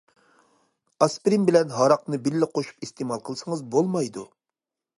ئاسپىرىن بىلەن ھاراقنى بىللە قوشۇپ ئىستېمال قىلسىڭىز بولمايدۇ!